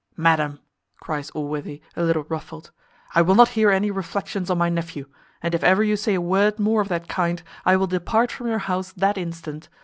"Madam," cries Allworthy, a little ruffled, "I will not hear any reflections on my nephew; and if ever you say a word more of that kind, I will depart from your house that instant.